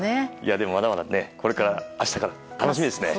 まだまだ、これから明日から楽しみですね。